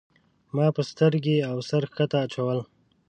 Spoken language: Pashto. ما به سترګې او سر ښکته اچول.